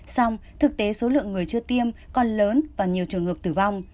xong thực tế số lượng người chưa tiêm còn lớn và nhiều trường hợp tử vong